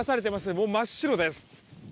もう真っ白です。